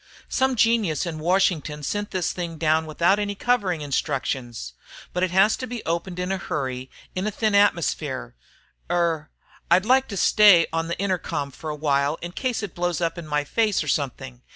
"Some genius in Washington sent this thing down without any covering instructions, but it has to be opened in a hurry in a thin atmosphere. Er I'd like you to stay on the intercom for a while in case it blows up in my face or something."